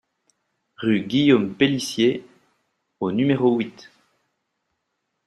Rue Guillaume Pellicier au numéro huit